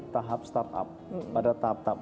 tahap start up pada tahap tahap